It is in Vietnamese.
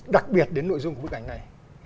đặc biệt đến nội dung của bức ảnh này